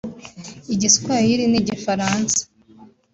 Igiswahili n’Igifaransa